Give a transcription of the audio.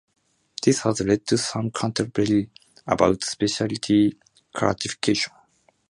This has led to some controversy about specialty certification.